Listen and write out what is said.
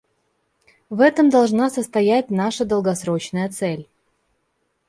В этом должна состоять наша долгосрочная цель.